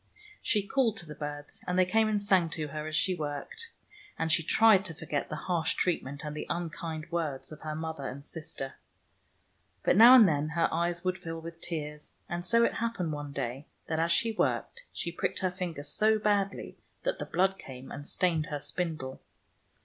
She called to the birds, and they came and sang to her as she worked, and she tried to forget the harsh treatment and the unkind words of her mother and sister. But now and then her eyes would fill with tears, and so it happened one day, that as she worked, she pricked her finger so badly that the blood came and stained her spindle.